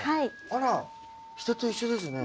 あら人と一緒ですね。